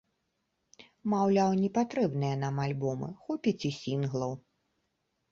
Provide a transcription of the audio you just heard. Маўляў, не патрэбныя нам альбомы, хопіць і сінглаў.